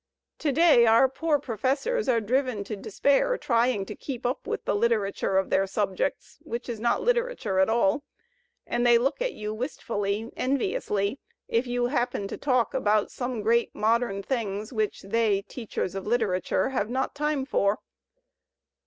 To day our poor professors are driven to despair trying to keep up with the "literature" of their subjects, which is not literature at all; and they look at you wistfully, enviously, if you happen to talk about some great modem things which they, teachers of literature, have not time for!